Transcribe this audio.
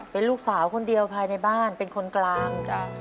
เป็นลูกสาวคนเดียวภายในบ้านเป็นคนกลาง